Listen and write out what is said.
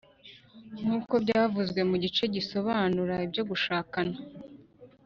nkuko byavuzwe mu gice gisobanura ibyo gushakana;